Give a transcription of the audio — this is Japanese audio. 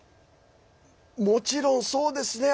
もちろん、そうですね。